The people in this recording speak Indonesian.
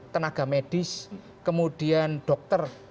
tenaga medis kemudian dokter